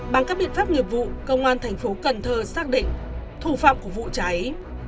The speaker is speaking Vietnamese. bằng các biện pháp nghiệp vụ công an thành phố cần thơ xác định thủ phạm của vụ cháy